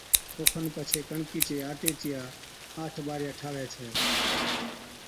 اوکن پڇي ڪڻڪِي چي آٽي چِيا آٺ ٻارِيا ٺاھوَي ڇَي